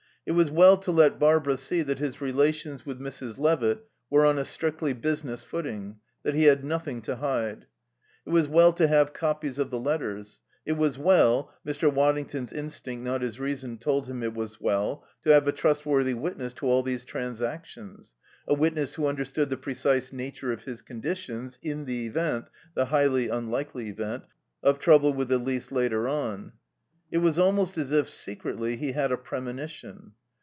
It was well to let Barbara see that his relations with Mrs. Levitt were on a strictly business footing, that he had nothing to hide. It was well to have copies of the letters. It was well Mr. Waddington's instinct, not his reason, told him it WA well to have a trustworthy witness to all these transactions. A witness who understood the precise nature of his conditions, in the event, the highly unlikely event, of trouble with Elise later on. (It was almost as if, secretly, he had a premonition.)